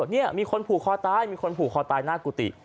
นี่มีคนผูกคอตายมีคนผูกคอตายหน้ากุฏิ